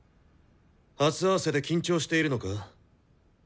初合わせで緊張しているのか？